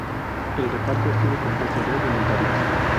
El reparto estuvo compuesto de voluntarios.